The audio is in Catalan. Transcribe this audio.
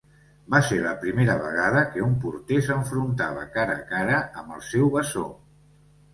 Va ser la primera vegada que un porter s'enfrontava cara a cara amb el seu bessó.